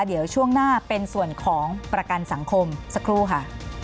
เดี๋ยวช่วงหน้าเป็นส่วนของประกันสังคมสักครู่ค่ะ